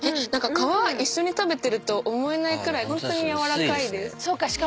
皮一緒に食べてると思えないくらいホントに柔らかいです。